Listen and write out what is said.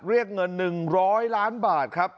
เรียกเงิน๑๐๐ล้านบาทครับ